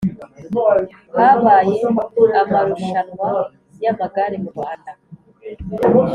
Habaye amarushanwa y’amagare mu Rwanda